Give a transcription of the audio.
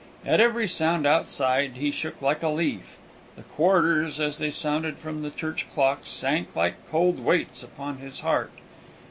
At every sound outside he shook like a leaf; the quarters, as they sounded from the church clock, sank like cold weights upon his heart.